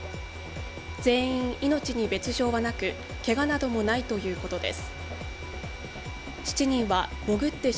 全員、命に別状はなくけがなどもないということです。